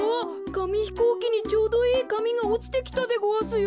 かみひこうきにちょうどいいかみがおちてきたでごわすよ。